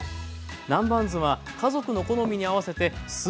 南蛮酢は家族の好みに合わせて酢を多めに。